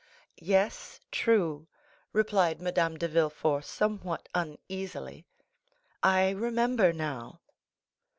"Yes, true," replied Madame de Villefort, somewhat uneasily, "I remember now."